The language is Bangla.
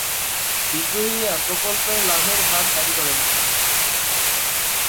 বিদ্রোহীরা প্রকল্পের লাভের ভাগ দাবি করেন।